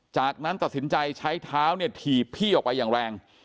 จากนั้นตัดสินใจใช้เท้าเนี่ยถีบพี่ออกไปอย่างแรง